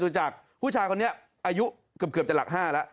จากผู้ชายคนนี้อายุเกือบจะหลัก๕แล้ว